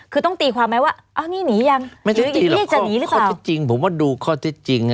คือต้องตีความไหมว่านี่หนียัง